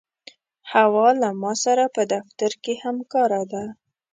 حوا له ما سره په دفتر کې همکاره ده.